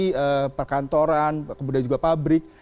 di perkantoran kemudian juga pabrik